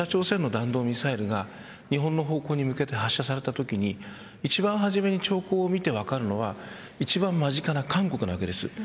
北朝鮮の弾道ミサイルが日本の方向に向けて発射されたときに一番初めに兆候を見て分かるのは一番間近な韓国のわけです。